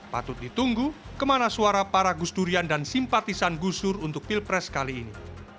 patut ditunggu kemana suara para gus durian dan simpatisan gus dur untuk pilpres kali ini